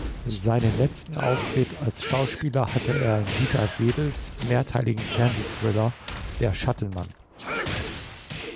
Seinen letzten Auftritt als Schauspieler hatte er in Dieter Wedels mehrteiligen Fernsehthriller "Der Schattenmann".